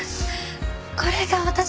これが私？